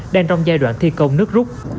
đang trong giai đoạn thi công nước rút